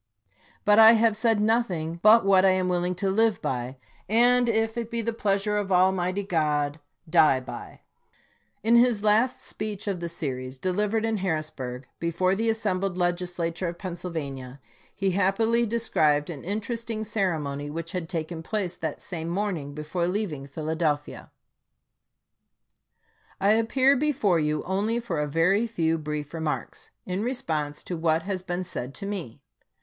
] But I have said noth ing but what I am willing to live by, and, if it be the pleasure of Almighty God, die by. In his last speech of the series, delivered in Harrisburg, before the assembled Legislature of Pennsylvania, he happily described an interesting ceremony which had taken place that same morn ing before leaving Philadelphia : I appear before you only for a very few brief remarks, in response to what has been said to me.